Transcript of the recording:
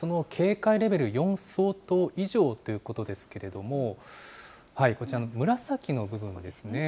その警戒レベル４相当以上ということですけれども、こちらの紫の部分ですね。